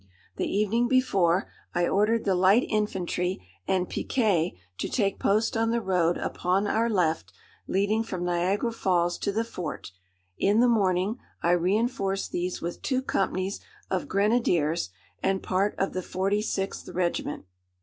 The evening before, I ordered the light infantry and piquets to take post on the road upon our left, leading from Niagara Falls to the fort; in the morning, I reinforced these with two companies of grenadiers, and part of the forty sixth regiment.